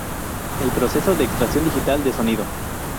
El proceso de extracción digital de sonido